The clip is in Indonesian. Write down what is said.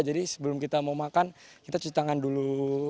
jadi sebelum kita mau makan kita cuci tangan dulu